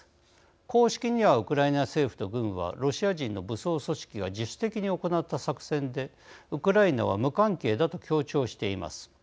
公式にはウクライナ政府と軍はロシア人の武装組織が自主的に行った作戦でウクライナは無関係だと強調しています。